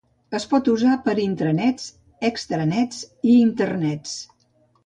Es pot usar per intranets, extranets i internets.